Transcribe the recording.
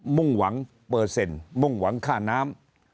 มุ่งหวังเปอร์เซ็นต์มุ่งหวังค่าน้ำ